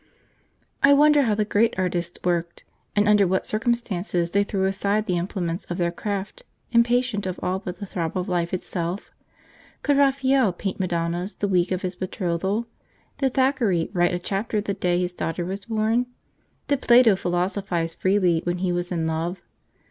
I wonder how the great artists worked, and under what circumstances they threw aside the implements of their craft, impatient of all but the throb of life itself? Could Raphael paint Madonnas the week of his betrothal? Did Thackeray write a chapter the day his daughter was born? Did Plato philosophise freely when he was in love?